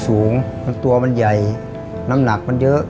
สูงตัวมันใหญ่น้ำหนักมันเยอะ